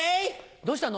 どうしたの？